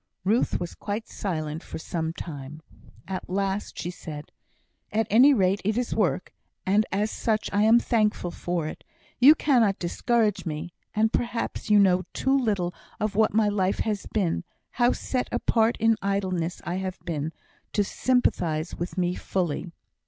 Ruth was quite silent for some time. At last she said: "At any rate it is work, and as such I am thankful for it. You cannot discourage me and perhaps you know too little of what my life has been how set apart in idleness I have been to sympathise with me fully."